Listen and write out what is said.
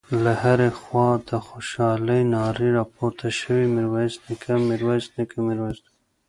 له هرې خوا د خوشالۍ نارې راپورته شوې: ميرويس نيکه، ميرويس نيکه، ميرويس نيکه….